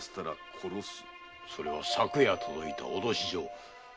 それは昨夜届いた脅し状。